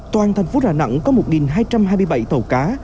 toàn thành phố đà nẵng có một hai trăm hai mươi bảy tàu cá